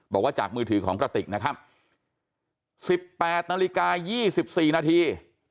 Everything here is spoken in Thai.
บอกว่าจากมือถือของกระติกนะครับสิบแปดนาฬิกายี่สิบสี่นาที